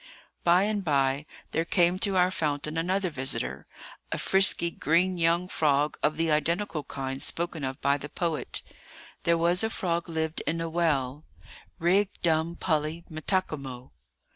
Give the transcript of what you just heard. By and by there came to our fountain another visitor,—a frisky, green young frog of the identical kind spoken of by the poet:— "There was a frog lived in a well, Rig dum pully metakimo."